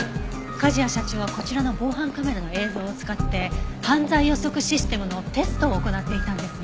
梶谷社長はこちらの防犯カメラの映像を使って犯罪予測システムのテストを行っていたんですね？